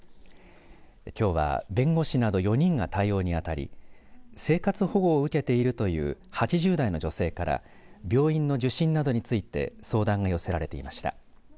きょうは弁護士など４人が対応に当たり生活保護を受けているという８０代の女性から病院の受診などについて相談が寄せられていました。